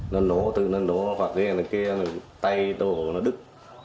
nó nổ tự nó nổ hoặc cái tay đồ nó đứt